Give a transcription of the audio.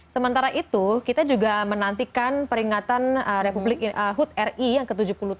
sementara itu kita juga menantikan peringatan republik hut ri yang ke tujuh puluh tiga